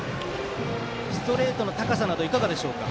ストレートの高さなどいかがでしょうか。